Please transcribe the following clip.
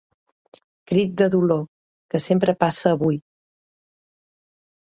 Crit de dolor que sempre passa avui.